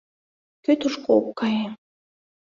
Кӧ тушко ок кае